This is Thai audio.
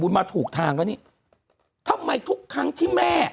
คุณหนุ่มกัญชัยได้เล่าใหญ่ใจความไปสักส่วนใหญ่แล้ว